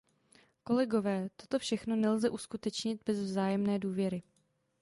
Kolegové, toto všechno nelze uskutečnit bez vzájemné důvěry.